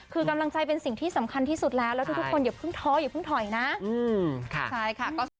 คือกำลังใจเป็นสิ่งที่สำคัญที่สุดแล้วแล้วทุกคนอย่าเพิ่งท้ออย่าเพิ่งถอยนะ